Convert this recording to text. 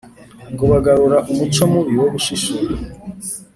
ngo bagarura umuco mubi wo gushishura